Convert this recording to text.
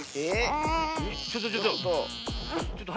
ちょっとちょっと。